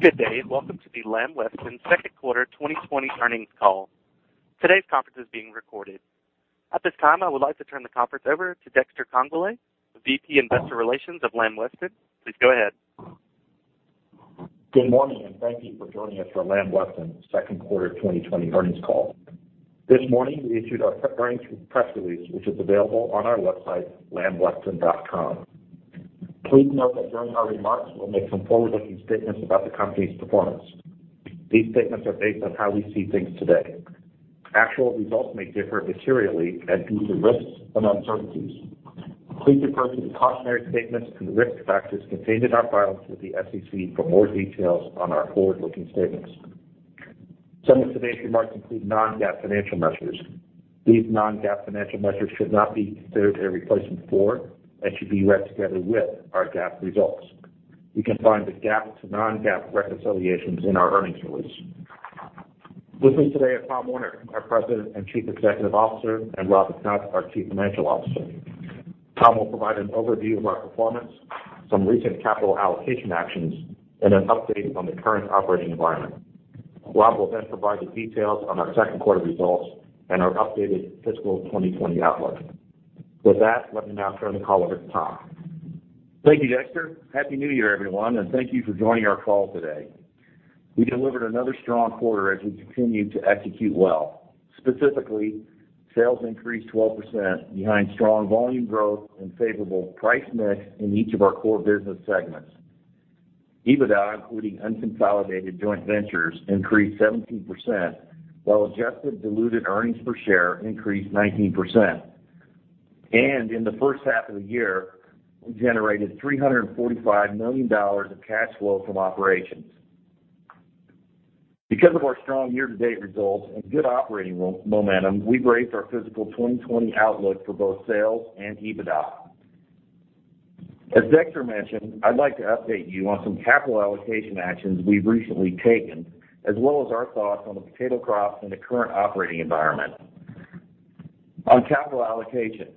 Good day. Welcome to the Lamb Weston second quarter 2020 earnings call. Today's conference is being recorded. At this time, I would like to turn the conference over to Dexter Congbalay, the VP, Investor Relations of Lamb Weston. Please go ahead. Good morning. Thank you for joining us for Lamb Weston second quarter 2020 earnings call. This morning, we issued our earnings press release, which is available on our website, lambweston.com. Please note that during our remarks, we'll make some forward-looking statements about the company's performance. These statements are based on how we see things today. Actual results may differ materially and due to risks and uncertainties. Please refer to the cautionary statements and risk factors contained in our filings with the SEC for more details on our forward-looking statements. Some of today's remarks include non-GAAP financial measures. These non-GAAP financial measures should not be considered a replacement for, and should be read together with, our GAAP results. You can find the GAAP to non-GAAP reconciliations in our earnings release. With me today are Tom Werner, our President and Chief Executive Officer, and Rob McNutt, our Chief Financial Officer. Tom will provide an overview of our performance, some recent capital allocation actions, and an update on the current operating environment. Rob will then provide the details on our second quarter results and our updated fiscal 2020 outlook. With that, let me now turn the call over to Tom. Thank you, Dexter. Happy New Year, everyone, and thank you for joining our call today. We delivered another strong quarter as we continued to execute well. Specifically, sales increased 12% behind strong volume growth and favorable price mix in each of our core business segments. EBITDA, including unconsolidated joint ventures, increased 17%, while adjusted diluted earnings per share increased 19%. In the first half of the year, we generated $345 million of cash flow from operations. Because of our strong year-to-date results and good operating momentum, we've raised our fiscal 2020 outlook for both sales and EBITDA. As Dexter mentioned, I'd like to update you on some capital allocation actions we've recently taken, as well as our thoughts on the potato crop and the current operating environment. On capital allocation,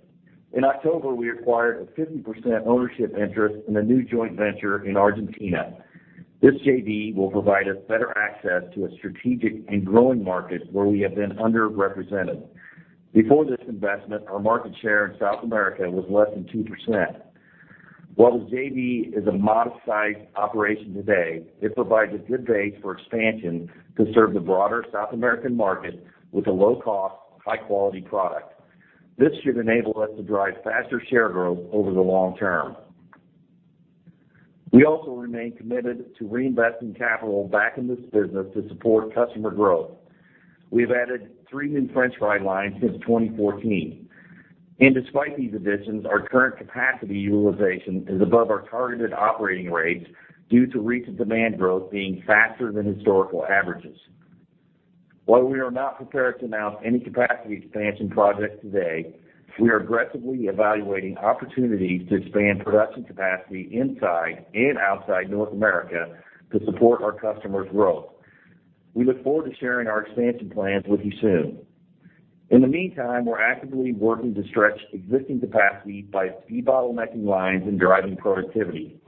in October, we acquired a 50% ownership interest in a new joint venture in Argentina. This JV will provide us better access to a strategic and growing market where we have been underrepresented. Before this investment, our market share in South America was less than 2%. While the JV is a modest-sized operation today, it provides a good base for expansion to serve the broader South American market with a low-cost, high-quality product. This should enable us to drive faster share growth over the long term. We also remain committed to reinvesting capital back in this business to support customer growth. We've added three new french fry lines since 2014. Despite these additions, our current capacity utilization is above our targeted operating rates due to recent demand growth being faster than historical averages. While we are not prepared to announce any capacity expansion projects today, we are aggressively evaluating opportunities to expand production capacity inside and outside North America to support our customers' growth. We look forward to sharing our expansion plans with you soon. In the meantime, we're actively working to stretch existing capacity by debottlenecking lines and driving productivity.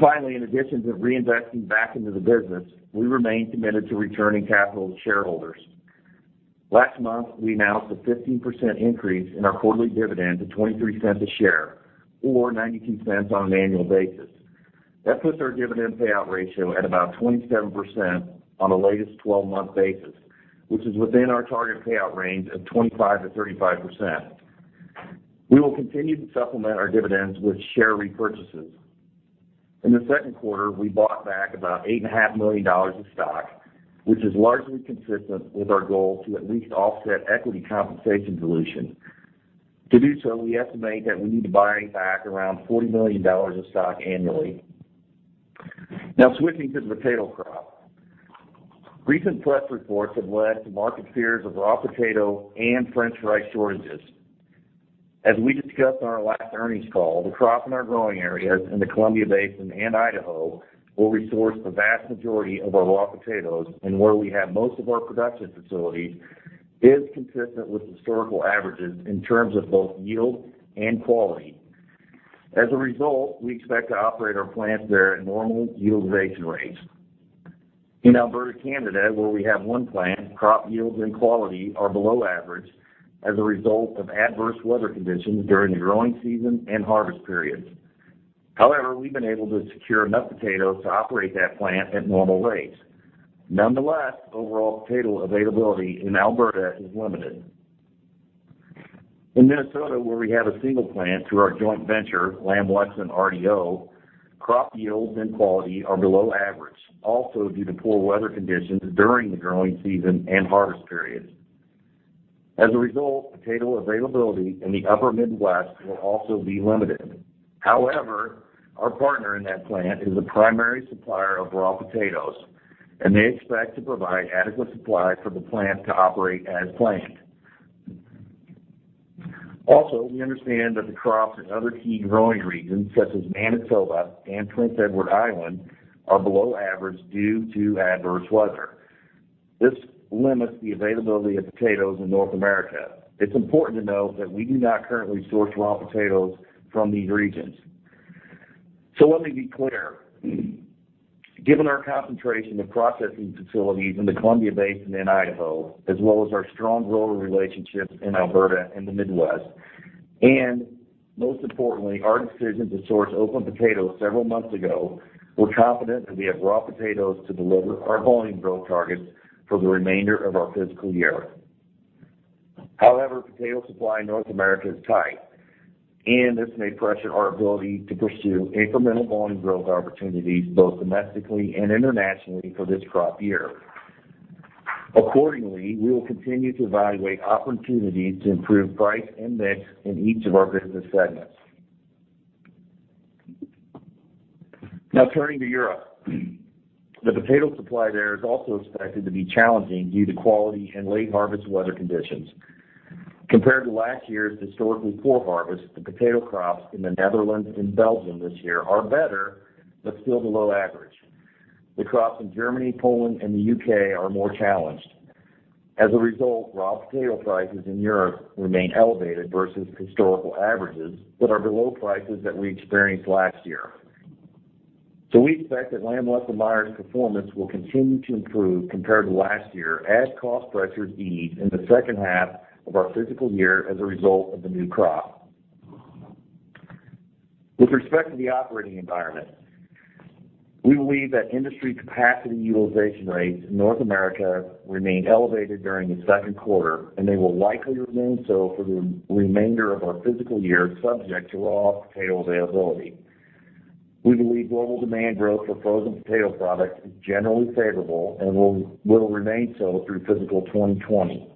Finally, in addition to reinvesting back into the business, we remain committed to returning capital to shareholders. Last month, we announced a 15% increase in our quarterly dividend to $0.23 a share, or $0.92 on an annual basis. That puts our dividend payout ratio at about 27% on a latest 12-month basis, which is within our target payout range of 25%-35%. We will continue to supplement our dividends with share repurchases. In the second quarter, we bought back about $8.5 million of stock, which is largely consistent with our goal to at least offset equity compensation dilution. To do so, we estimate that we need to buying back around $40 million of stock annually. Switching to the potato crop. Recent press reports have led to market fears of raw potato and French fry shortages. As we discussed on our last earnings call, the crop in our growing areas in the Columbia Basin and Idaho will resource the vast majority of our raw potatoes and where we have most of our production facilities is consistent with historical averages in terms of both yield and quality. As a result, we expect to operate our plants there at normal utilization rates. In Alberta, Canada, where we have one plant, crop yields and quality are below average as a result of adverse weather conditions during the growing season and harvest periods. However, we've been able to secure enough potatoes to operate that plant at normal rates. Nonetheless, overall potato availability in Alberta is limited. In Minnesota, where we have a single plant through our joint venture, Lamb-Weston-RDO, crop yields and quality are below average, also due to poor weather conditions during the growing season and harvest periods. As a result, potato availability in the upper Midwest will also be limited. However, our partner in that plant is a primary supplier of raw potatoes, and they expect to provide adequate supply for the plant to operate as planned. Also, we understand that the crops in other key growing regions, such as Manitoba and Prince Edward Island, are below average due to adverse weather. This limits the availability of potatoes in North America. It's important to note that we do not currently source raw potatoes from these regions. Let me be clear. Given our concentration of processing facilities in the Columbia Basin and Idaho, as well as our strong grower relationships in Alberta and the Midwest, and most importantly, our decision to source open market potatoes several months ago, we're confident that we have raw potatoes to deliver our volume growth targets for the remainder of our fiscal year. Potato supply in North America is tight, this may pressure our ability to pursue incremental volume growth opportunities both domestically and internationally for this crop year. We will continue to evaluate opportunities to improve price and mix in each of our business segments. Turning to Europe. The potato supply there is also expected to be challenging due to quality and late harvest weather conditions. Compared to last year's historically poor harvest, the potato crops in the Netherlands and Belgium this year are better but still below average. The crops in Germany, Poland, and the U.K. are more challenged. As a result, raw potato prices in Europe remain elevated versus historical averages but are below prices that we experienced last year. We expect that Lamb Weston Meijer's performance will continue to improve compared to last year as cost pressures ease in the second half of our fiscal year as a result of the new crop. With respect to the operating environment, we believe that industry capacity utilization rates in North America remained elevated during the second quarter, and they will likely remain so for the remainder of our fiscal year, subject to raw potato availability. We believe global demand growth for frozen potato products is generally favorable and will remain so through fiscal 2020.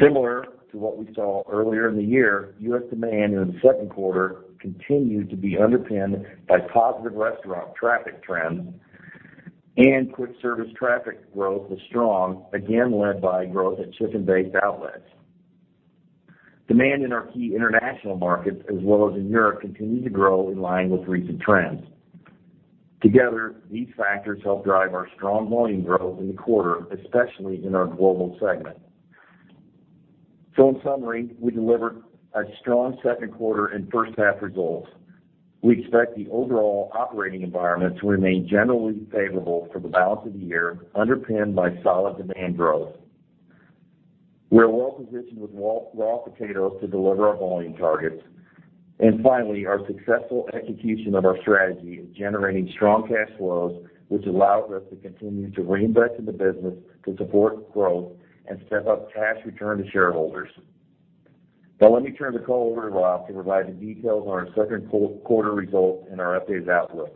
Similar to what we saw earlier in the year, U.S. demand in the second quarter continued to be underpinned by positive restaurant traffic trends, and quick service traffic growth was strong, again led by growth at chicken-based outlets. Demand in our key international markets as well as in Europe continued to grow in line with recent trends. Together, these factors helped drive our strong volume growth in the quarter, especially in our global segment. In summary, we delivered a strong second quarter and first half results. We expect the overall operating environment to remain generally favorable for the balance of the year, underpinned by solid demand growth. We are well positioned with raw potatoes to deliver our volume targets. Finally, our successful execution of our strategy is generating strong cash flows, which allows us to continue to reinvest in the business to support growth and step up cash return to shareholders. Now let me turn the call over to Rob to provide the details on our second quarter results and our updated outlook.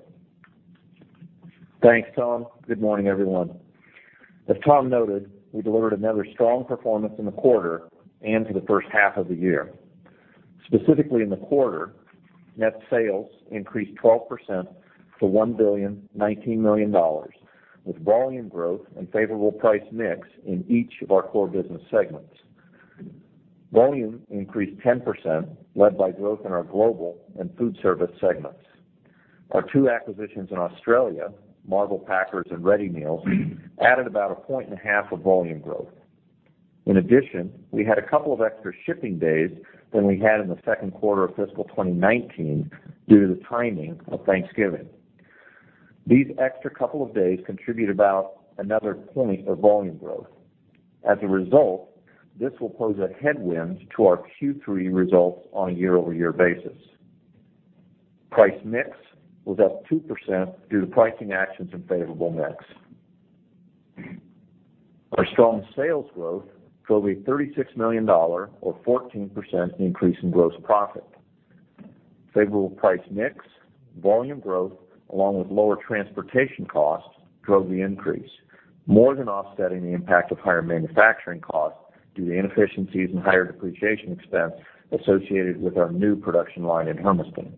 Thanks, Tom. Good morning, everyone. As Tom noted, we delivered another strong performance in the quarter and for the first half of the year. Specifically in the quarter, net sales increased 12% to $1.019 billion with volume growth and favorable price mix in each of our core business segments. Volume increased 10%, led by growth in our global and food service segments. Our two acquisitions in Australia, Marvel Packers and Ready Meals, added about a point and a half of volume growth. In addition, we had a couple of extra shipping days than we had in the second quarter of fiscal 2019 due to the timing of Thanksgiving. These extra couple of days contribute about another point of volume growth. As a result, this will pose a headwind to our Q3 results on a year-over-year basis. Price mix was up 2% due to pricing actions and favorable mix. Our strong sales growth drove a $36 million or 14% increase in gross profit. Favorable price mix, volume growth, along with lower transportation costs drove the increase, more than offsetting the impact of higher manufacturing costs due to inefficiencies and higher depreciation expense associated with our new production line in Hermiston.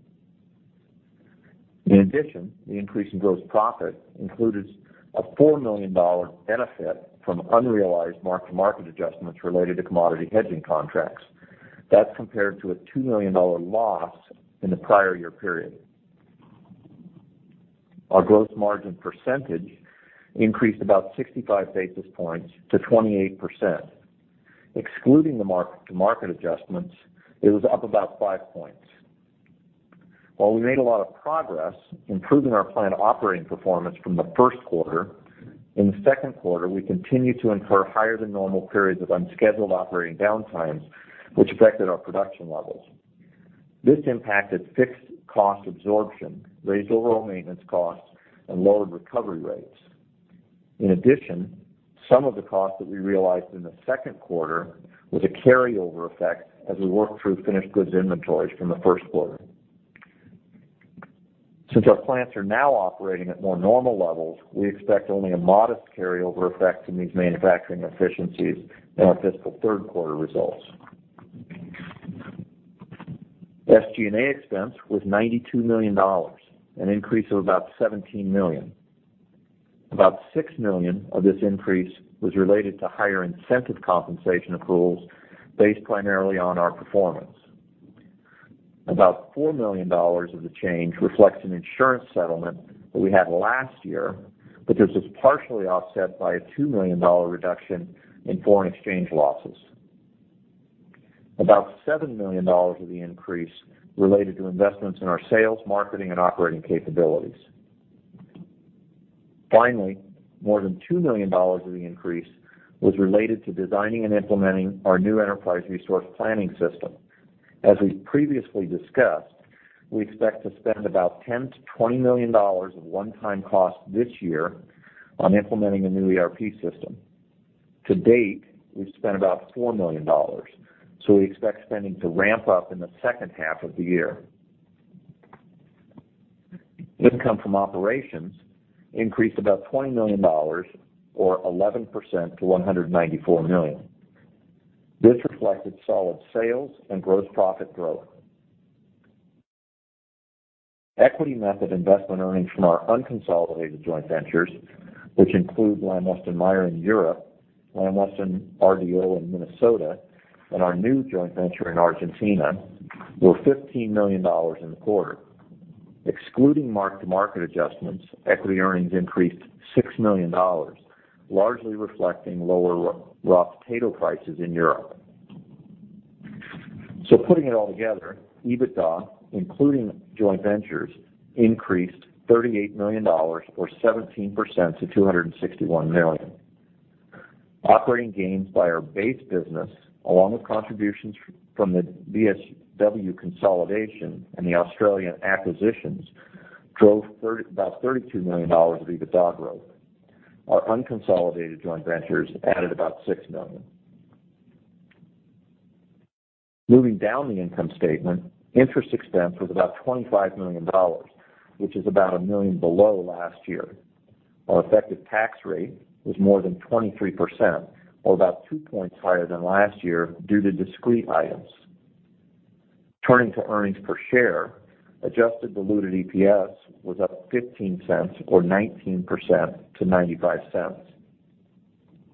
In addition, the increase in gross profit included a $4 million benefit from unrealized mark-to-market adjustments related to commodity hedging contracts. That's compared to a $2 million loss in the prior year period. Our gross margin percentage increased about 65 basis points to 28%. Excluding the mark-to-market adjustments, it was up about five points. While we made a lot of progress improving our plant operating performance from the first quarter, in the second quarter, we continued to incur higher than normal periods of unscheduled operating downtime, which affected our production levels. This impacted fixed cost absorption, raised overall maintenance costs, and lowered recovery rates. In addition, some of the cost that we realized in the second quarter was a carryover effect as we worked through finished goods inventories from the first quarter. Since our plants are now operating at more normal levels, we expect only a modest carryover effect in these manufacturing efficiencies in our fiscal third quarter results. SG&A expense was $92 million, an increase of about $17 million. About $6 million of this increase was related to higher incentive compensation accruals based primarily on our performance. About $4 million of the change reflects an insurance settlement that we had last year, but this was partially offset by a $2 million reduction in foreign exchange losses. About $7 million of the increase related to investments in our sales, marketing, and operating capabilities. Finally, more than $2 million of the increase was related to designing and implementing our new enterprise resource planning system. As we previously discussed, we expect to spend about $10 million-$20 million of one-time costs this year on implementing a new ERP system. To date, we've spent about $4 million, so we expect spending to ramp up in the second half of the year. Income from operations increased about $20 million or 11% to $194 million. This reflected solid sales and gross profit growth. Equity method investment earnings from our unconsolidated joint ventures, which include Lamb Weston Meijer in Europe, Lamb Weston RDO in Minnesota, and our new joint venture in Argentina, were $15 million in the quarter. Excluding mark-to-market adjustments, equity earnings increased $6 million, largely reflecting lower raw potato prices in Europe. Putting it all together, EBITDA, including joint ventures, increased $38 million or 17% to $261 million. Operating gains by our base business, along with contributions from the BSW consolidation and the Australian acquisitions, drove about $32 million of EBITDA growth. Our unconsolidated joint ventures added about $6 million. Moving down the income statement, interest expense was about $25 million, which is about $1 million below last year. Our effective tax rate was more than 23%, or about two points higher than last year due to discrete items. Turning to earnings per share, adjusted diluted EPS was up $0.15 or 19% to $0.95.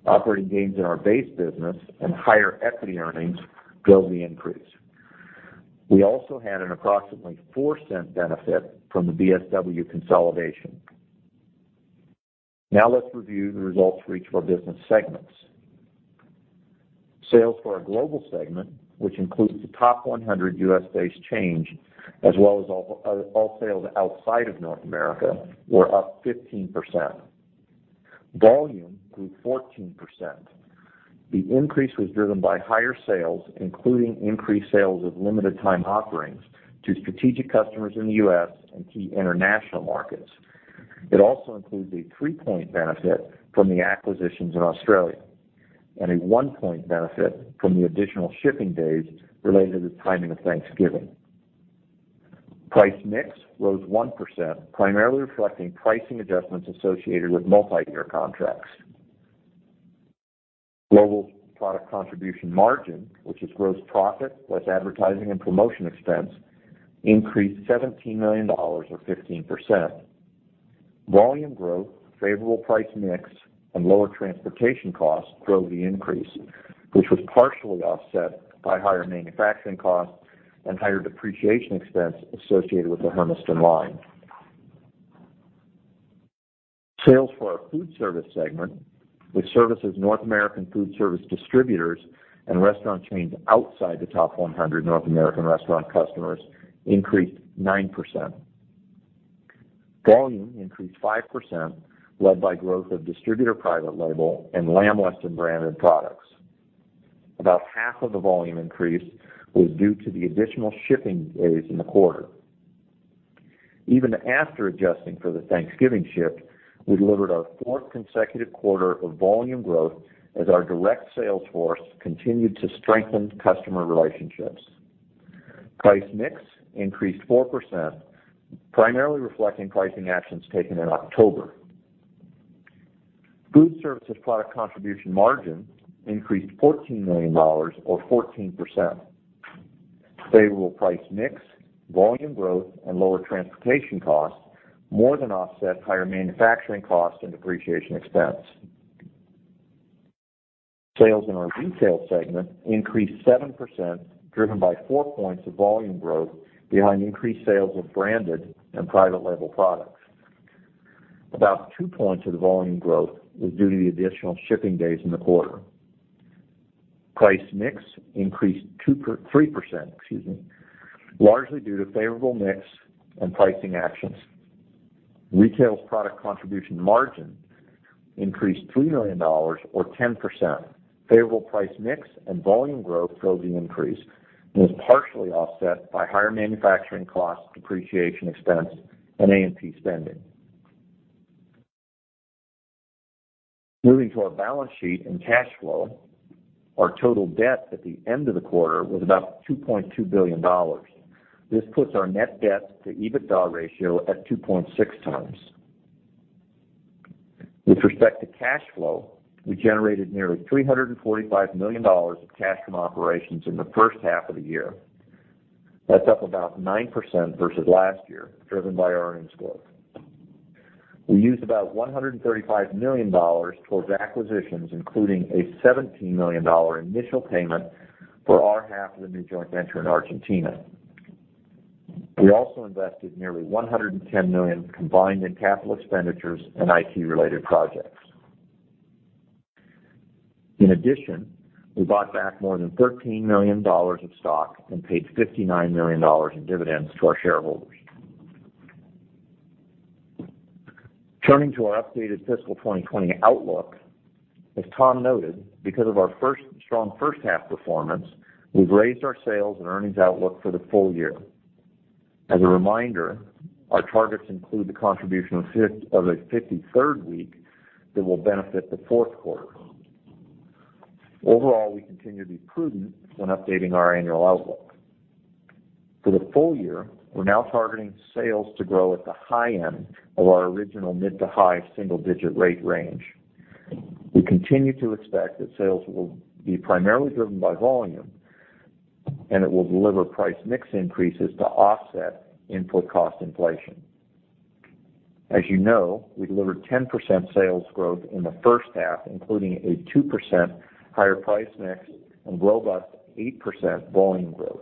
Operating gains in our base business and higher equity earnings drove the increase. We also had an approximately $0.04 benefit from the BSW consolidation. Now let's review the results for each of our business segments. Sales for our global segment, which includes the top 100 U.S.-based chain, as well as all sales outside of North America, were up 15%. Volume grew 14%. The increase was driven by higher sales, including increased sales of limited time offerings to strategic customers in the U.S. and key international markets. It also includes a three-point benefit from the acquisitions in Australia and a one-point benefit from the additional shipping days related to the timing of Thanksgiving. Price mix rose 1%, primarily reflecting pricing adjustments associated with multi-year contracts. Global product contribution margin, which is gross profit plus advertising and promotion expense, increased $17 million or 15%. Volume growth, favorable price mix, and lower transportation costs drove the increase, which was partially offset by higher manufacturing costs and higher depreciation expense associated with the Hermiston line. Sales for our food service segment, which services North American food service distributors and restaurant chains outside the top 100 North American restaurant customers, increased 9%. Volume increased 5%, led by growth of distributor private label and Lamb Weston branded products. About half of the volume increase was due to the additional shipping days in the quarter. Even after adjusting for the Thanksgiving shift, we delivered our fourth consecutive quarter of volume growth as our direct sales force continued to strengthen customer relationships. Price mix increased 4%, primarily reflecting pricing actions taken in October. Food services product contribution margin increased $14 million or 14%. Favorable price mix, volume growth, and lower transportation costs more than offset higher manufacturing costs and depreciation expense. Sales in our retail segment increased 7%, driven by 4 points of volume growth behind increased sales of branded and private label products. About 2 points of the volume growth was due to the additional shipping days in the quarter. Price mix increased 3%, largely due to favorable mix and pricing actions. Retail product contribution margin increased $3 million or 10%. Favorable price mix and volume growth drove the increase and was partially offset by higher manufacturing costs, depreciation expense, and A&P spending. Moving to our balance sheet and cash flow, our total debt at the end of the quarter was about $2.2 billion. This puts our net debt to EBITDA ratio at 2.6 times. With respect to cash flow, we generated nearly $345 million of cash from operations in the first half of the year. That's up about 9% versus last year, driven by earnings growth. We used about $135 million towards acquisitions, including a $17 million initial payment for our half of the new joint venture in Argentina. We also invested nearly $110 million combined in capital expenditures and IT-related projects. In addition, we bought back more than $13 million of stock and paid $59 million in dividends to our shareholders. Turning to our updated fiscal 2020 outlook, as Tom noted, because of our strong first half performance, we've raised our sales and earnings outlook for the full year. As a reminder, our targets include the contribution of a 53rd week that will benefit the fourth quarter. Overall, we continue to be prudent when updating our annual outlook. For the full year, we're now targeting sales to grow at the high end of our original mid to high single-digit rate range. We continue to expect that sales will be primarily driven by volume, and it will deliver price mix increases to offset input cost inflation. As you know, we delivered 10% sales growth in the first half, including a 2% higher price mix and robust 8% volume growth.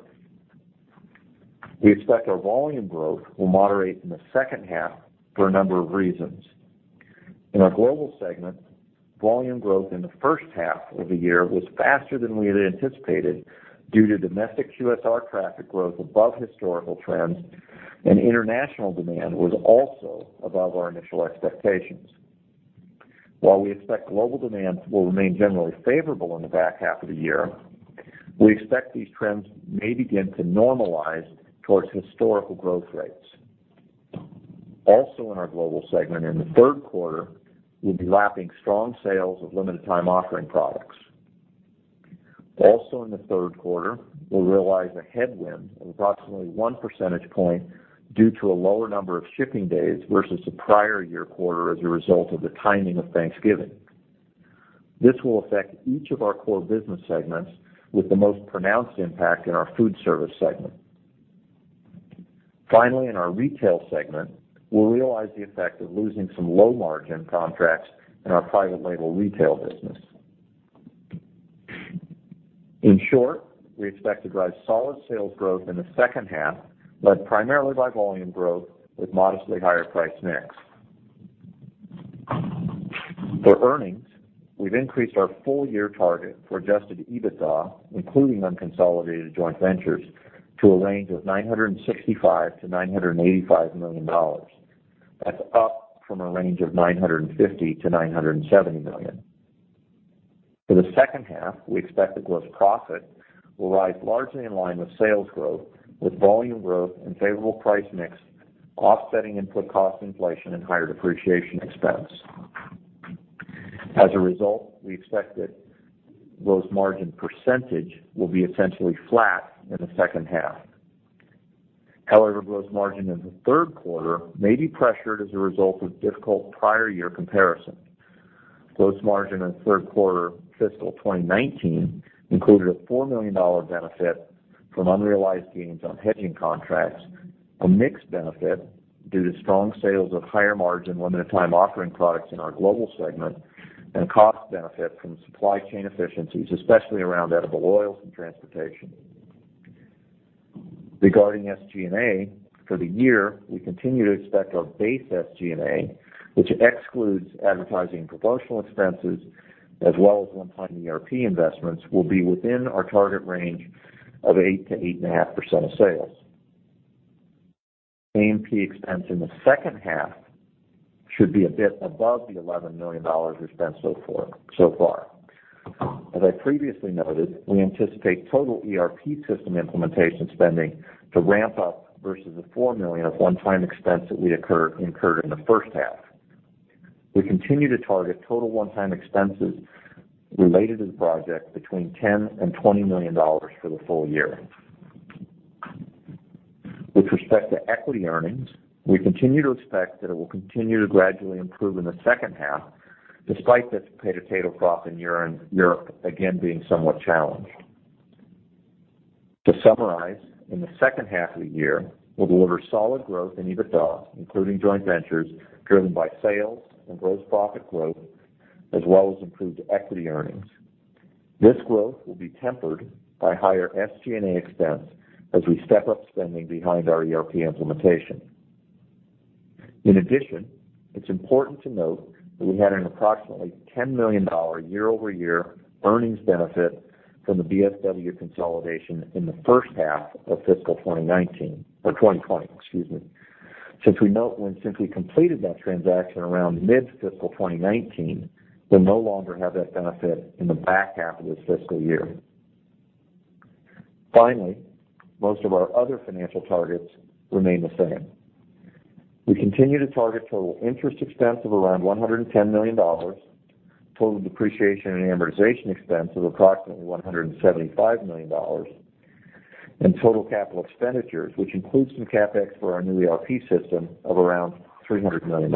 We expect our volume growth will moderate in the second half for a number of reasons. In our Global segment, volume growth in the first half of the year was faster than we had anticipated due to domestic QSR traffic growth above historical trends, and international demand was also above our initial expectations. While we expect global demand will remain generally favorable in the back half of the year, we expect these trends may begin to normalize towards historical growth rates. In our Global segment, in the third quarter, we'll be lapping strong sales of Limited Time Offering products. In the third quarter, we'll realize a headwind of approximately 1 percentage point due to a lower number of shipping days versus the prior year quarter as a result of the timing of Thanksgiving. This will affect each of our core business segments with the most pronounced impact in our Foodservice segment. Finally, in our Retail segment, we'll realize the effect of losing some low-margin contracts in our private label retail business. In short, we expect to drive solid sales growth in the second half, led primarily by volume growth with modestly higher price mix. For earnings, we've increased our full-year target for adjusted EBITDA, including unconsolidated joint ventures, to a range of $965 million-$985 million. That's up from a range of $950 million-$970 million. For the second half, we expect the gross profit will rise largely in line with sales growth, with volume growth and favorable price mix offsetting input cost inflation and higher depreciation expense. As a result, we expect that gross margin percentage will be essentially flat in the second half. However, gross margin in the third quarter may be pressured as a result of difficult prior year comparison. Gross margin in third quarter fiscal 2019 included a $4 million benefit from unrealized gains on hedging contracts, a mix benefit due to strong sales of higher margin limited time offering products in our Global segment, and cost benefit from supply chain efficiencies, especially around edible oils and transportation. Regarding SG&A, for the year, we continue to expect our base SG&A, which excludes advertising and promotional expenses as well as one-time ERP investments, will be within our target range of 8%-8.5% of sales. A&P expense in the second half should be a bit above the $11 million we've spent so far. As I previously noted, we anticipate total ERP system implementation spending to ramp up versus the $4 million of one-time expense that we incurred in the first half. We continue to target total one-time expenses related to the project between $10 million and $20 million for the full year. With respect to equity earnings, we continue to expect that it will continue to gradually improve in the second half, despite the potato crop in Europe again being somewhat challenged. To summarize, in the second half of the year, we'll deliver solid growth in EBITDA, including joint ventures, driven by sales and gross profit growth, as well as improved equity earnings. This growth will be tempered by higher SGA expense as we step up spending behind our ERP implementation. In addition, it's important to note that we had an approximately $10 million year-over-year earnings benefit from the BSW consolidation in the first half of fiscal 2019 or 2020, excuse me. Since we completed that transaction around mid-fiscal 2019, we'll no longer have that benefit in the back half of this fiscal year. Finally, most of our other financial targets remain the same. We continue to target total interest expense of around $110 million, total depreciation and amortization expense of approximately $175 million, and total capital expenditures, which includes some CapEx for our new ERP system, of around $300 million.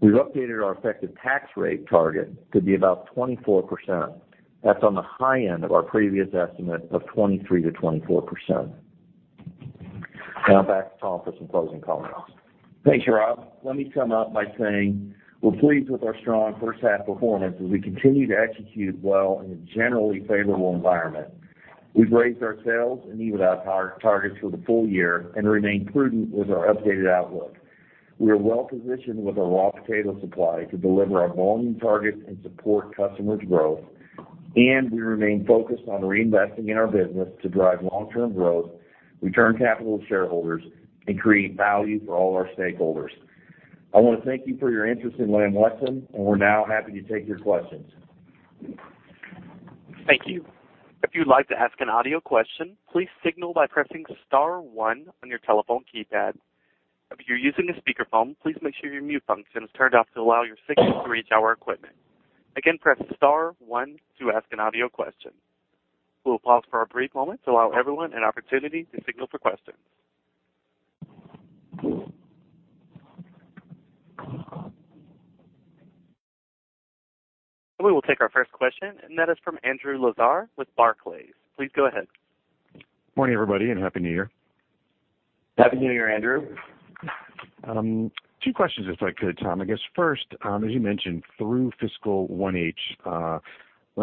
We've updated our effective tax rate target to be about 24%. That's on the high end of our previous estimate of 23%-24%. Back to Tom for some closing comments. Thanks, Rob. Let me sum up by saying we're pleased with our strong first half performance as we continue to execute well in a generally favorable environment. We've raised our sales and EBITDA targets for the full year and remain prudent with our updated outlook. We are well-positioned with our raw potato supply to deliver our volume targets and support customers' growth. We remain focused on reinvesting in our business to drive long-term growth, return capital to shareholders, and create value for all our stakeholders. I want to thank you for your interest in Lamb Weston. We're now happy to take your questions. Thank you. If you'd like to ask an audio question, please signal by pressing *1 on your telephone keypad. If you're using a speakerphone, please make sure your mute function is turned off to allow your signal to reach our equipment. Again, press *1 to ask an audio question. We'll pause for a brief moment to allow everyone an opportunity to signal for questions. We will take our first question, and that is from Andrew Lazar with Barclays. Please go ahead. Morning, everybody, and Happy New Year. Happy New Year, Andrew. Two questions, if I could, Tom. I guess first, as you mentioned, through fiscal 1H, Lamb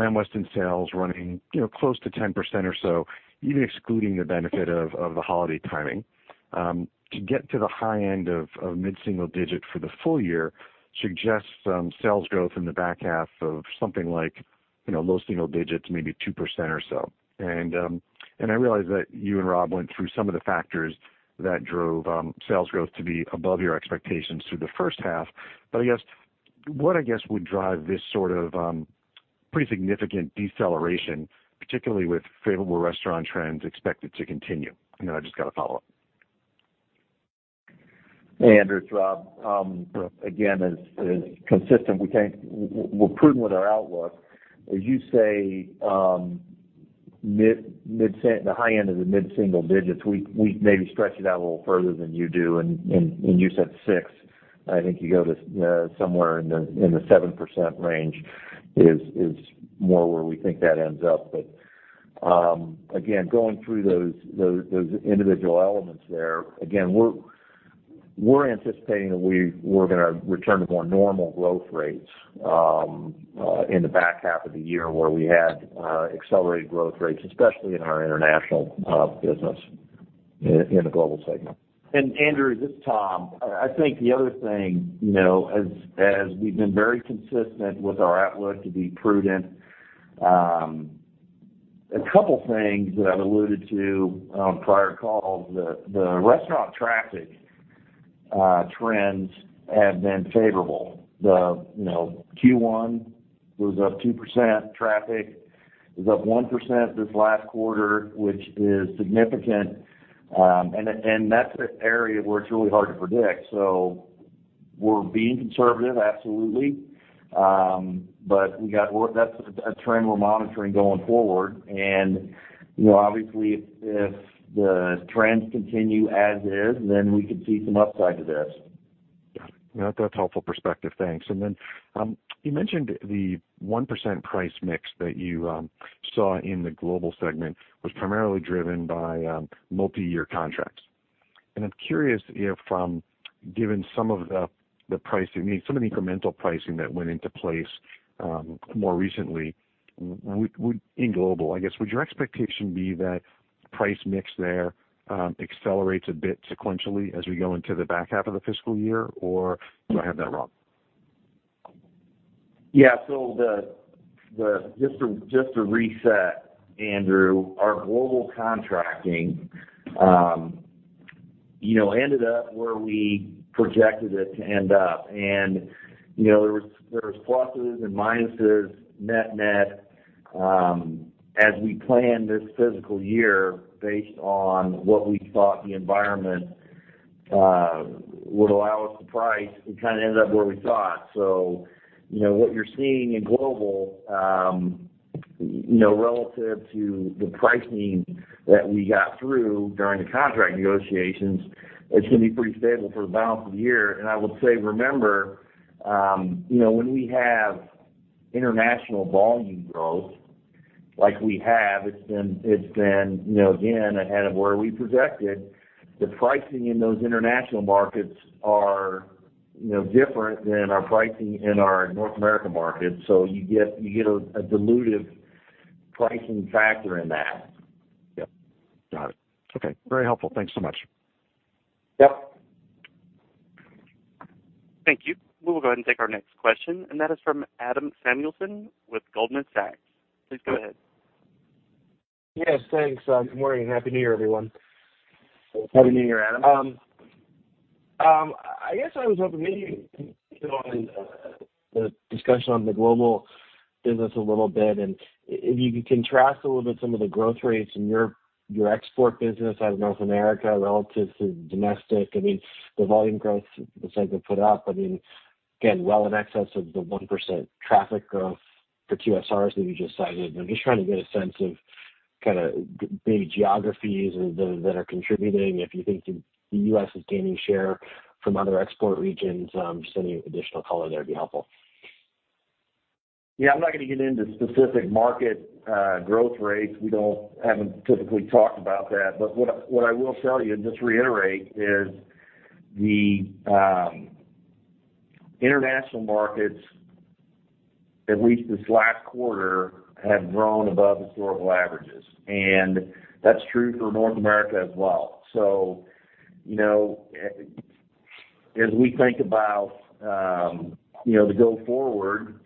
Weston sales running close to 10% or so, even excluding the benefit of the holiday timing. To get to the high end of mid-single digit for the full year suggests some sales growth in the back half of something like low single digits, maybe 2% or so. I realize that you and Rob went through some of the factors that drove sales growth to be above your expectations through the first half, but I guess, what would drive this sort of pretty significant deceleration, particularly with favorable restaurant trends expected to continue? Then I've just got a follow-up. Hey, Andrew, it's Rob. Again, as consistent, we're prudent with our outlook. As you say, the high end of the mid-single digits, we maybe stretch it out a little further than you do. You said 6. I think you go to somewhere in the 7% range is more where we think that ends up. Again, going through those individual elements there, again, we're anticipating that we're going to return to more normal growth rates in the back half of the year where we had accelerated growth rates, especially in our international business in the global segment. Andrew, this is Tom. I think the other thing, as we've been very consistent with our outlook to be prudent, a couple things that I've alluded to on prior calls, the restaurant traffic trends have been favorable. The Q1 was up 2%, traffic was up 1% this last quarter, which is significant. That's the area where it's really hard to predict. We're being conservative, absolutely. That's a trend we're monitoring going forward. Obviously, if the trends continue as is, then we could see some upside to this. Yeah. That's a helpful perspective. Thanks. You mentioned the 1% price mix that you saw in the global segment was primarily driven by multi-year contracts. I'm curious if, given some of the incremental pricing that went into place more recently in global, I guess, would your expectation be that price mix there accelerates a bit sequentially as we go into the back half of the fiscal year, or do I have that wrong? Just to reset, Andrew, our global contracting ended up where we projected it to end up. There was pluses and minuses net-net. As we planned this fiscal year based on what we thought the environment would allow us to price, we ended up where we thought. What you're seeing in global, relative to the pricing that we got through during the contract negotiations, it's going to be pretty stable for the balance of the year. I would say, remember, when we have international volume growth like we have, it's been, again, ahead of where we projected. The pricing in those international markets are different than our pricing in our North American market. You get a dilutive pricing factor in that. Yep. Got it. Okay. Very helpful. Thanks so much. Yep. Thank you. We will go ahead and take our next question, and that is from Adam Samuelson with Goldman Sachs. Please go ahead. Yes, thanks. Good morning, and Happy New Year, everyone. Happy New Year, Adam. I guess I was hoping maybe you can touch on the discussion on the global business a little bit, and if you could contrast a little bit some of the growth rates in your export business out of North America relative to domestic. The volume growth you put up, again, well in excess of the 1% traffic growth for QSRs that you just cited. I'm just trying to get a sense of kind of big geographies that are contributing, if you think the U.S. is gaining share from other export regions, just any additional color there would be helpful. I'm not going to get into specific market growth rates. We haven't typically talked about that. What I will tell you, and just reiterate, is the international markets, at least this last quarter, have grown above historical averages. That's true for North America as well. As we think about the go forward,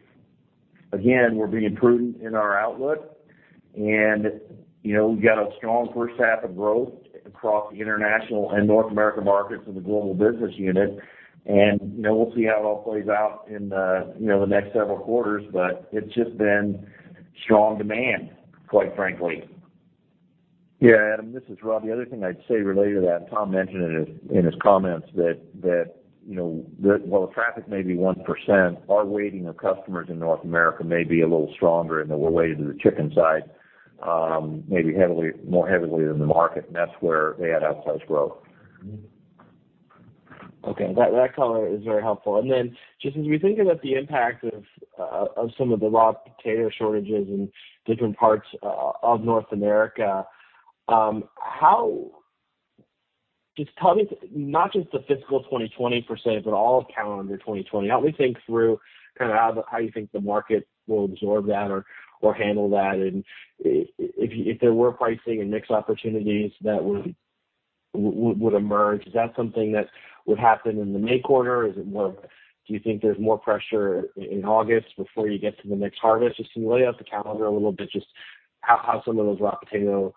again, we're being prudent in our outlook and we've got a strong first half of growth across the international and North America markets in the global business unit. We'll see how it all plays out in the next several quarters, but it's just been strong demand, quite frankly. Yeah, Adam, this is Rob. The other thing I'd say related to that, Tom mentioned it in his comments, that while the traffic may be 1%, our weighting of customers in North America may be a little stronger and that we're weighted to the chicken side maybe more heavily than the market, and that's where they had outsized growth. Okay. That color is very helpful. Just as we think about the impact of some of the raw potato shortages in different parts of North America, just tell me, not just the fiscal 2020 per se, but all of calendar 2020, help me think through how you think the market will absorb that or handle that. If there were pricing and mix opportunities that would emerge, is that something that would happen in the May quarter? Do you think there's more pressure in August before you get to the next harvest? Just lay out the calendar a little bit, just how some of those raw potato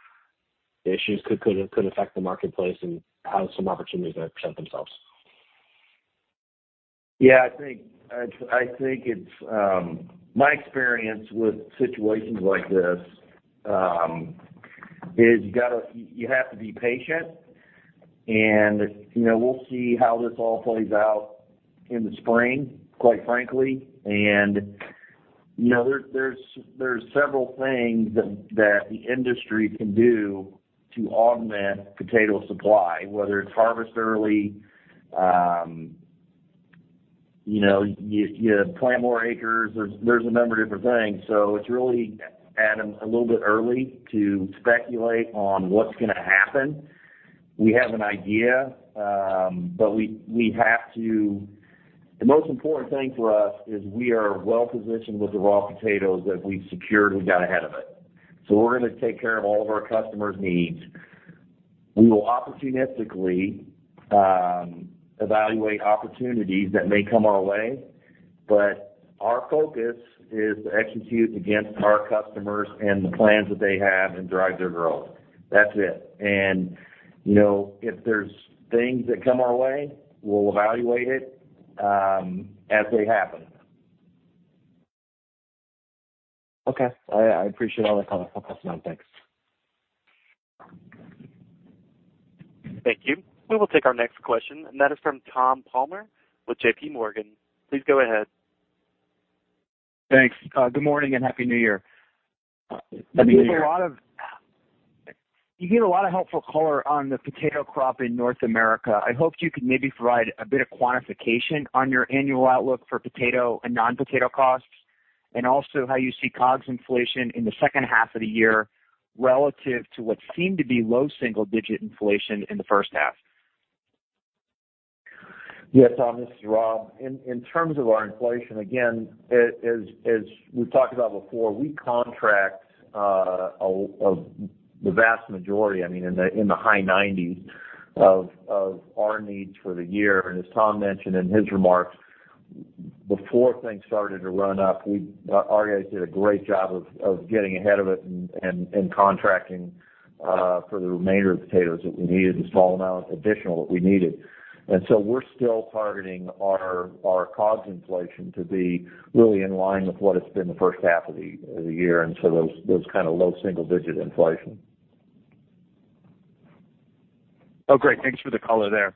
issues could affect the marketplace and how some opportunities might present themselves. Yeah. My experience with situations like this is you have to be patient, and we'll see how this all plays out in the spring, quite frankly. There's several things that the industry can do to augment potato supply, whether it's harvest early, you plant more acres. There's a number of different things. It's really, Adam, a little bit early to speculate on what's going to happen. We have an idea. The most important thing for us is we are well-positioned with the raw potatoes that we've secured and got ahead of it. We're going to take care of all of our customers' needs. We will opportunistically evaluate opportunities that may come our way, but our focus is to execute against our customers and the plans that they have and drive their growth. That's it. If there's things that come our way, we'll evaluate it as they happen. Okay. I appreciate all the color on that. Thanks. Thank you. We will take our next question, and that is from Thomas Palmer with JPMorgan. Please go ahead. Thanks. Good morning and happy New Year. Happy New Year. You gave a lot of helpful color on the potato crop in North America. I hoped you could maybe provide a bit of quantification on your annual outlook for potato and non-potato costs, and also how you see COGS inflation in the second half of the year relative to what seemed to be low single digit inflation in the first half. Yes, Tom, this is Rob. In terms of our inflation, again, as we've talked about before, we contract the vast majority, I mean, in the high 90s, of our needs for the year. As Tom mentioned in his remarks, before things started to run up, our guys did a great job of getting ahead of it and contracting for the remainder of the potatoes that we needed, the small amount additional that we needed. We're still targeting our COGS inflation to be really in line with what it's been the first half of the year, so those kind of low single-digit inflation. Oh, great. Thanks for the color there.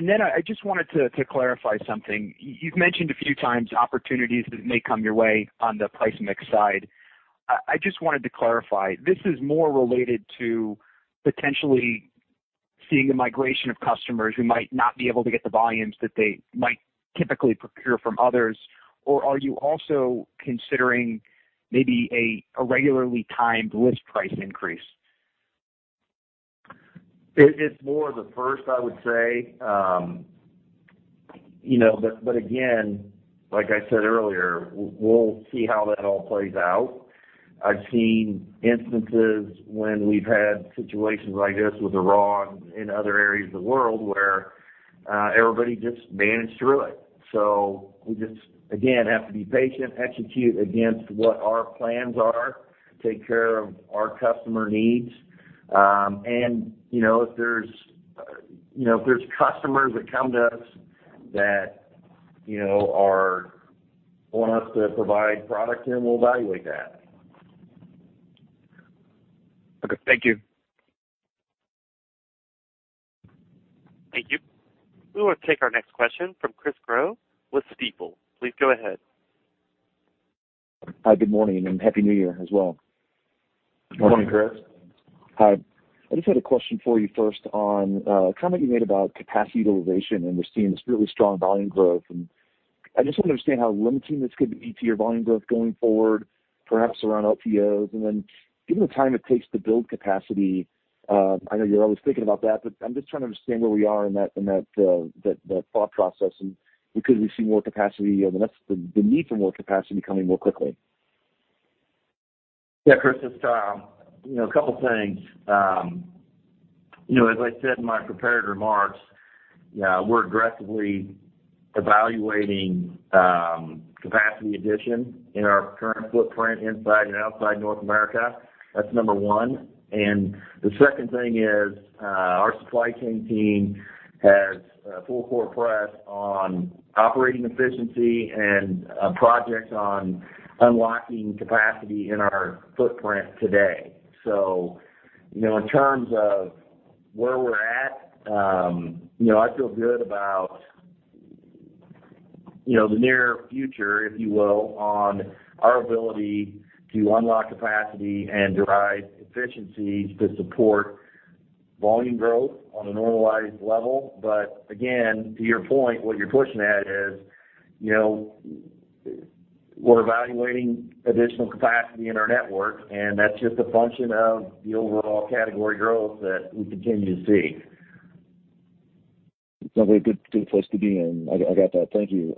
Then I just wanted to clarify something. You've mentioned a few times opportunities that may come your way on the price mix side. I just wanted to clarify, this is more related to potentially seeing the migration of customers who might not be able to get the volumes that they might typically procure from others. Or are you also considering maybe a regularly timed list price increase? It's more of the first, I would say. Again, like I said earlier, we'll see how that all plays out. I've seen instances when we've had situations like this with the raw in other areas of the world where everybody just managed through it. We just, again, have to be patient, execute against what our plans are, take care of our customer needs. If there's customers that come to us that want us to provide product to them, we'll evaluate that. Okay. Thank you. Thank you. We will take our next question from Chris Growe with Stifel. Please go ahead. Hi, good morning, and Happy New Year as well. Good morning, Chris. Hi. I just had a question for you first on a comment you made about capacity utilization, and we're seeing this really strong volume growth. I just want to understand how limiting this could be to your volume growth going forward, perhaps around LTOs. Given the time it takes to build capacity, I know you're always thinking about that, but I'm just trying to understand where we are in that thought process and could we see more capacity, or the need for more capacity coming more quickly? Chris, it's Tom. A couple of things. As I said in my prepared remarks, we're aggressively evaluating capacity addition in our current footprint inside and outside North America. That's number 1. The second thing is, our supply chain team has a full-court press on operating efficiency and projects on unlocking capacity in our footprint today. In terms of where we're at, I feel good about the near future, if you will, on our ability to unlock capacity and derive efficiencies to support volume growth on a normalized level. Again, to your point, what you're pushing at is, we're evaluating additional capacity in our network, and that's just a function of the overall category growth that we continue to see. Sounds like a good place to be in. I got that. Thank you.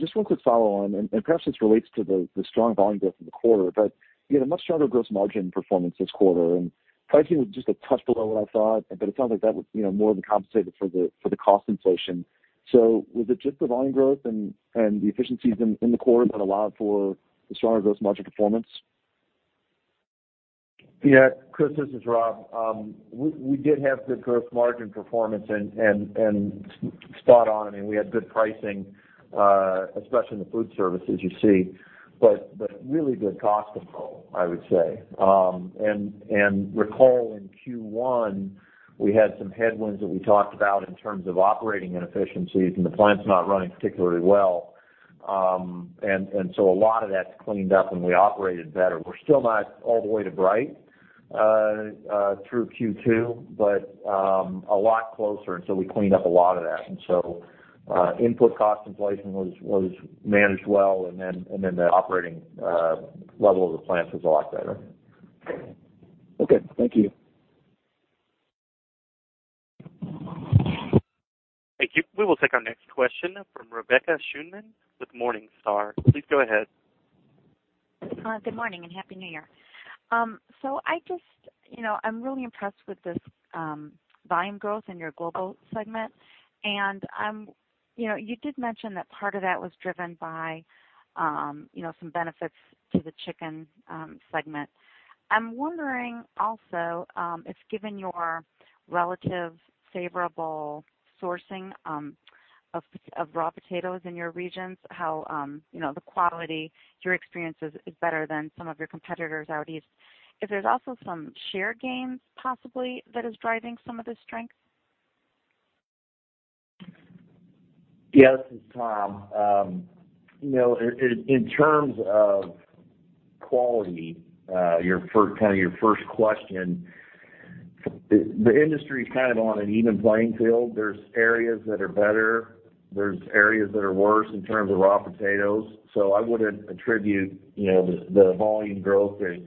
Just one quick follow-on, and perhaps this relates to the strong volume growth in the quarter. You had a much stronger gross margin performance this quarter, and pricing was just a touch below what I thought, but it sounds like that was more than compensated for the cost inflation. Was it just the volume growth and the efficiencies in the quarter that allowed for the stronger gross margin performance? Yeah. Chris, this is Rob. We did have good gross margin performance and spot on. We had good pricing, especially in the food services, you see, but really good cost control, I would say. Recall in Q1, we had some headwinds that we talked about in terms of operating inefficiencies and the plants not running particularly well. A lot of that's cleaned up and we operated better. We're still not all the way to bright through Q2, but a lot closer. We cleaned up a lot of that. Input cost inflation was managed well, and then the operating level of the plants was a lot better. Okay. Thank you. Thank you. We will take our next question from Rebecca Scheuneman with Morningstar. Please go ahead. Good morning, and Happy New Year. I'm really impressed with this volume growth in your global segment, and you did mention that part of that was driven by some benefits to the chicken segment. I'm wondering also if, given your relative favorable sourcing of raw potatoes in your regions, how the quality, your experience is better than some of your competitors out east. If there's also some share gains possibly that is driving some of the strength? Yeah, this is Tom. In terms of quality, your first question, the industry's kind of on an even playing field. There's areas that are better, there's areas that are worse in terms of raw potatoes. I wouldn't attribute the volume growth to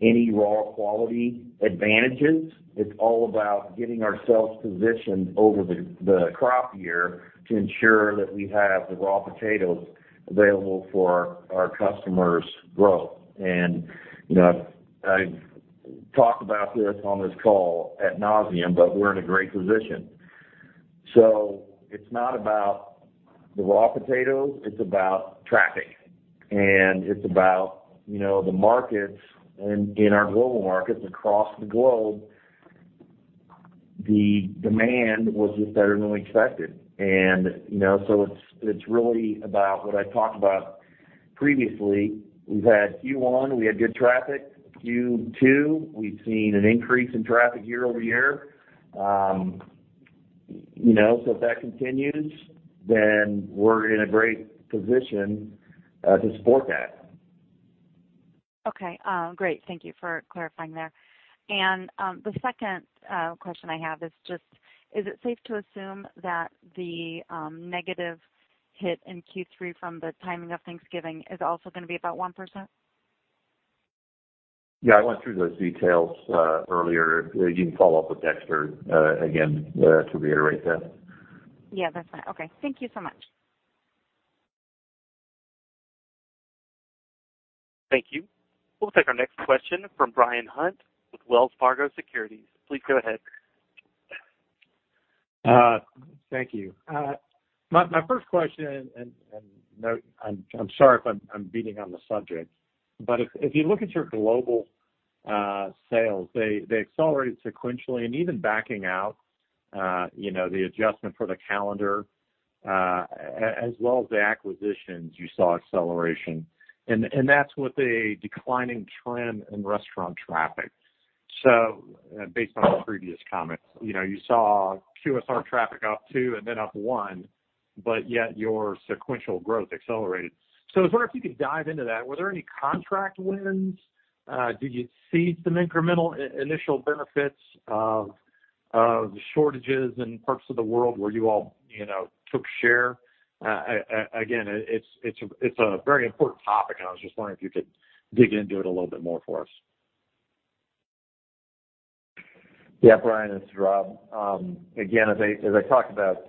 any raw quality advantages. It's all about getting ourselves positioned over the crop year to ensure that we have the raw potatoes available for our customers' growth. I've talked about this on this call at nauseam, but we're in a great position. It's not about the raw potatoes, it's about traffic. It's about the markets in our global markets across the globe, the demand was just better than we expected. It's really about what I talked about previously. We've had Q1, we had good traffic. Q2, we've seen an increase in traffic year-over-year. If that continues, then we're in a great position to support that. Okay. Great. Thank you for clarifying there. The second question I have is just, is it safe to assume that the negative hit in Q3 from the timing of Thanksgiving is also going to be about 1%? Yeah, I went through those details earlier. You can follow up with Dexter again to reiterate that. Yeah, that's fine. Okay. Thank you so much. Thank you. We'll take our next question from Bryan Hunt with Wells Fargo Securities. Please go ahead. Thank you. My first question, I'm sorry if I'm beating on the subject, if you look at your global sales, they accelerated sequentially, even backing out the adjustment for the calendar as well as the acquisitions, you saw acceleration. That's with a declining trend in restaurant traffic. Based on the previous comments, you saw QSR traffic up two and then up one, yet your sequential growth accelerated. I was wonder if you could dive into that. Were there any contract wins? Did you see some incremental initial benefits of the shortages in parts of the world where you all took share? Again, it's a very important topic, I was just wondering if you could dig into it a little bit more for us. Brian, this is Rob. As I talked about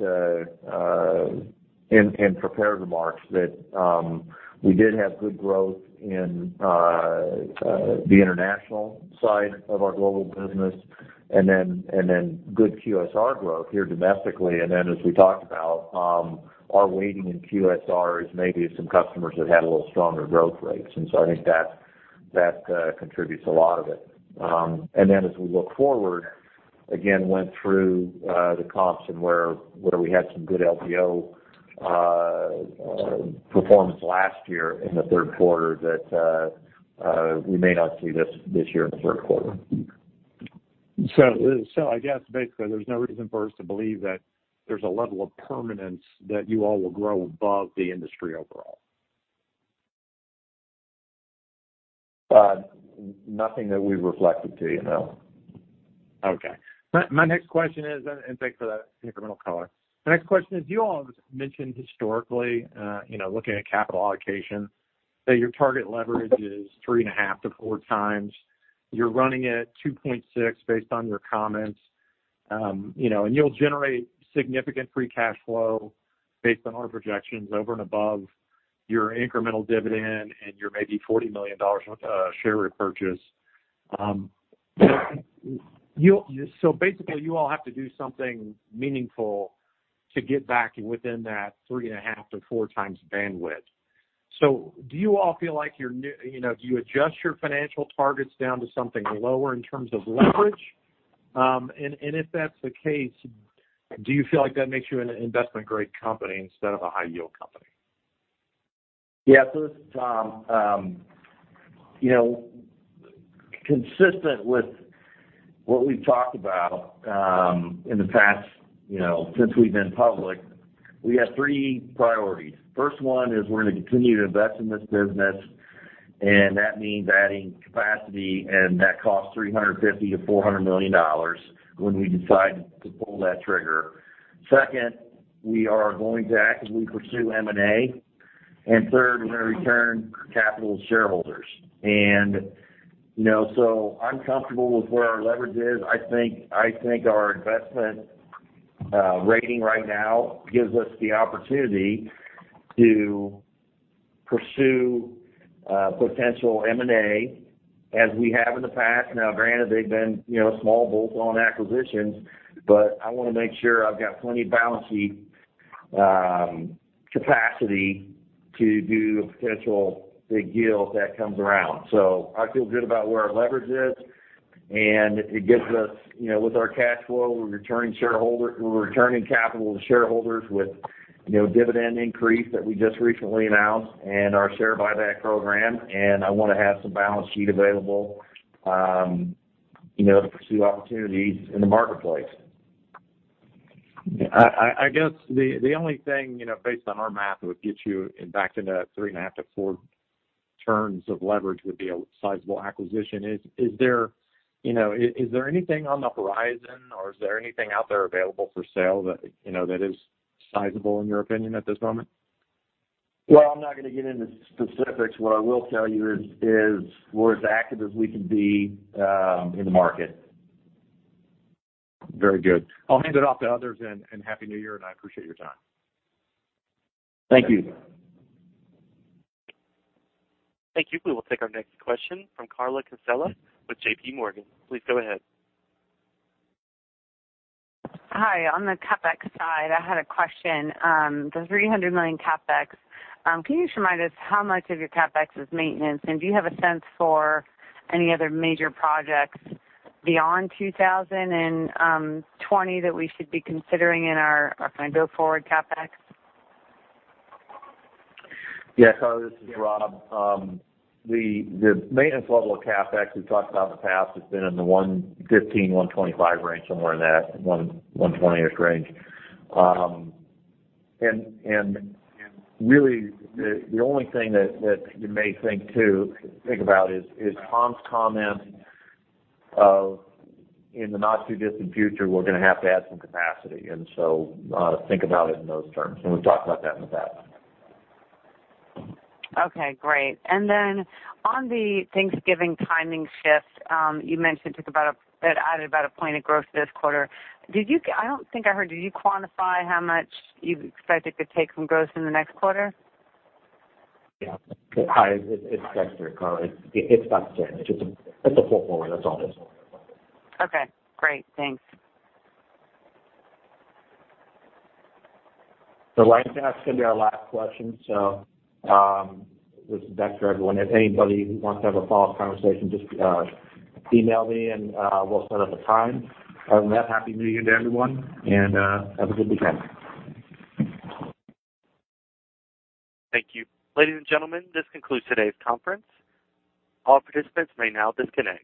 in prepared remarks, that we did have good growth in the international side of our global business, and then good QSR growth here domestically. As we talked about, our weighting in QSR is maybe some customers that had a little stronger growth rates. I think that contributes a lot of it. As we look forward, again, went through the comps and where we had some good LTO performance last year in the third quarter that we may not see this year in the third quarter. I guess basically, there's no reason for us to believe that there's a level of permanence that you all will grow above the industry overall. Nothing that we've reflected to, no. Okay. Thanks for that incremental color. The next question is, you all have mentioned historically, looking at capital allocation, that your target leverage is 3.5-4 times. You're running at 2.6 based on your comments. You'll generate significant free cash flow based on our projections over and above your incremental dividend and your maybe $40 million share repurchase. Basically, you all have to do something meaningful to get back within that 3.5-4 times bandwidth. Do you all feel like you adjust your financial targets down to something lower in terms of leverage? If that's the case, do you feel like that makes you an investment-grade company instead of a high-yield company? This is Tom. Consistent with what we've talked about in the past, since we've been public, we have three priorities. First one is we're going to continue to invest in this business, that means adding capacity, that costs $350 million-$400 million when we decide to pull that trigger. Second, we are going to actively pursue M&A. Third, we're going to return capital to shareholders. I'm comfortable with where our leverage is. I think our investment rating right now gives us the opportunity to pursue potential M&A as we have in the past. Now granted, they've been small bolt-on acquisitions. I want to make sure I've got plenty of balance sheet capacity to do potential big deals that comes around. I feel good about where our leverage is, and it gives us, with our cash flow, we're returning capital to shareholders with dividend increase that we just recently announced and our share buyback program. I want to have some balance sheet available to pursue opportunities in the marketplace. I guess the only thing, based on our math, that would get you back into that three and a half to four turns of leverage would be a sizable acquisition. Is there anything on the horizon, or is there anything out there available for sale that is sizable in your opinion at this moment? Well, I'm not going to get into specifics. What I will tell you is we're as active as we can be in the market. Very good. I'll hand it off to others, and Happy New Year, and I appreciate your time. Thank you. Thank you. We will take our next question from Carla Casella with JPMorgan. Please go ahead. Hi. On the CapEx side, I had a question. The $300 million CapEx, can you just remind us how much of your CapEx is maintenance, and do you have a sense for any other major projects beyond 2020 that we should be considering in our kind of go-forward CapEx? Yeah. Carla, this is Rob. The maintenance level of CapEx we've talked about in the past has been in the $115-$125 range, somewhere in that $120-ish range. Really, the only thing that you may think about is Tom's comment of, in the not-too-distant future, we're going to have to add some capacity. Think about it in those terms. We've talked about that in the past. Okay, great. On the Thanksgiving timing shift, you mentioned it added about a point of growth to this quarter. I don't think I heard, did you quantify how much you expect it could take from growth in the next quarter? Hi, it's Dexter, Carla. It's about the same. It's a pull-forward, that's all it is. Okay, great. Thanks. Right, that's going to be our last question. This is Dexter, everyone. If anybody wants to have a follow-up conversation, just email me, and we'll set up a time. Other than that, Happy New Year to everyone, and have a good weekend. Thank you. Ladies and gentlemen, this concludes today's conference. All participants may now disconnect.